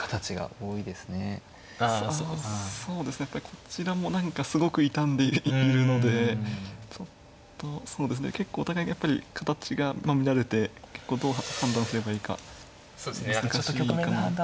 こちらも何かすごく痛んでいるのでちょっとそうですね結構お互いやっぱり形が乱れて結構どう判断すればいいか難しいかなと。